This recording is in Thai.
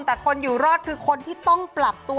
แต่คนอยู่รอดคือคนที่ต้องปรับตัว